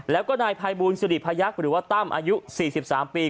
แล้วก็นายภัยบูลสุริพยักษ์หรือว่าตั้มอายุ๔๓ปี